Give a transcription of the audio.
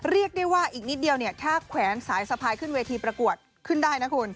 เรียกได้ว่าอีกนิดเดียวเนี่ยแค่แขวนสายสะพายขึ้นเวทีประกวดขึ้นได้นะคุณ